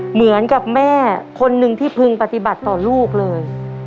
เหมือนกับแม่คนหนึ่งที่พึงปฏิบัติต่อลูกเลย